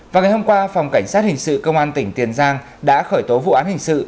vào ngày hôm qua phòng cảnh sát hình sự công an tỉnh tiền giang đã khởi tố vụ án hình sự